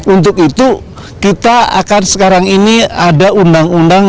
untuk itu kita akan sekarang ini ada undang undang